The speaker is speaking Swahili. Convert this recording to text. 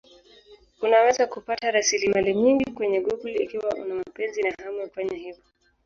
Unaweza kupata rasilimali nyingi kwenye Google ikiwa una mapenzi na hamu ya kufanya hivyo.